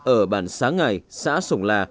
ở bản sáng ngày xã sổng là